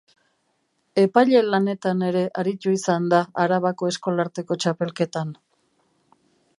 Epaile lanetan ere aritu izan da Arabako Eskolarteko Txapelketan.